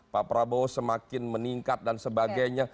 pak prabowo semakin meningkat dan sebagainya